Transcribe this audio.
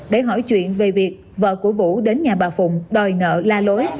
để hỏi chuyện về việc vợ của vũ đến nhà bà phụng đòi nợ la lối